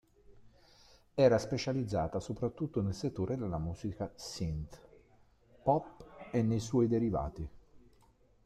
Era specializzata soprattutto nel settore della musica synth pop e nei suoi derivati.